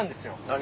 何？